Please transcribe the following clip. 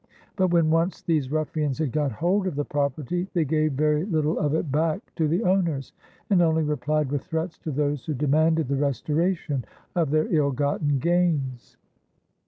But when once these ruffians had got hold of the property they gave very little of it back to the owners, and only replied with threats to those who demanded the restora tion of their ill gotten gains.